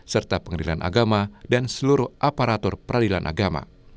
serta pengadilan agama dan seluruh aparatur peradilan agama